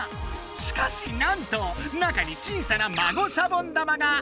しかしなんと中に小さな孫シャボン玉が！